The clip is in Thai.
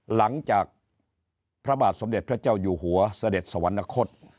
หลังจากพระบาทสมเด็จพระเจ้าอยู่หัวเสด็จสวรรณคต